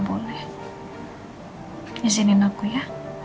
pesenin aku ya